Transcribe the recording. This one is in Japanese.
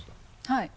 はい。